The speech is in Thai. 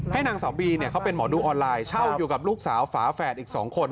นางสาวบีเขาเป็นหมอดูออนไลน์เช่าอยู่กับลูกสาวฝาแฝดอีก๒คน